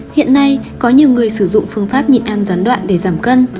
hiện nay có nhiều người sử dụng phương pháp nhịn ăn gián đoạn để giảm cân